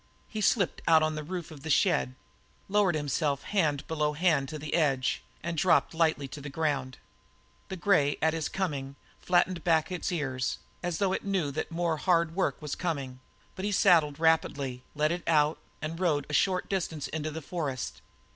He slipped out on the roof of the shed, lowered himself hand below hand to the edge, and dropped lightly to the ground. The grey, at his coming, flattened back its ears, as though it knew that more hard work was coming, but he saddled rapidly, led it outside, and rode a short distance into the forest.